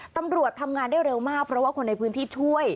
ตำรวจทำงานได้เร็วมากเพราะว่าคนในพื้นที่ช่วย